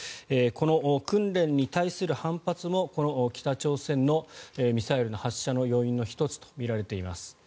この訓練に対する反発もこの北朝鮮のミサイルの発射の要因の一つとみられています。